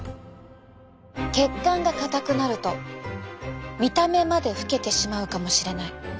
血管が硬くなると見た目まで老けてしまうかもしれない。